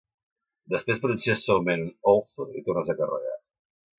Després pronuncies suaument un Also, i tornes a carregar.